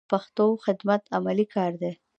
د پښتو خدمت عملي کار دی.